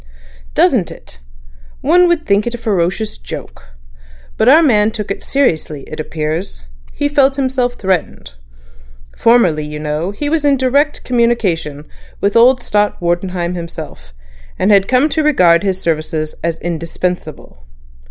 "Doesn't it? One would think a ferocious joke. But our man took it seriously, it appears. He felt himself threatened. In the time, you know, he was in direct communication with old Stott Wartenheim himself, and had come to regard his services as indispensable.